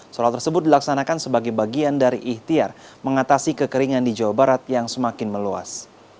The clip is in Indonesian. sholat tersebut dilaksanakan sebagai bagian dari ihtiar mengatasi kekeringan di jawa barat yang semakin meluas